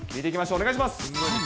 お願いします。